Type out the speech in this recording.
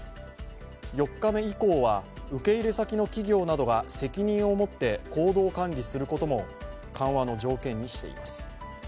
４日目以降は受け入れ先の企業などが責任を持って行動管理することも緩和の条件にしています。